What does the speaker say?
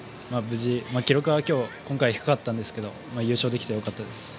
記録は今回低かったんですけど無事に優勝できてよかったです。